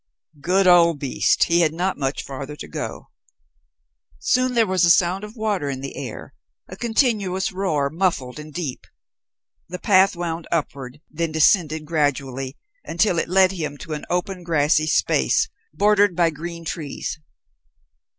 Good old beast! He had not much farther to go. Soon there was a sound of water in the air a continuous roar, muffled and deep. The path wound upward, then descended gradually until it led him to an open, grassy space, bordered by green trees.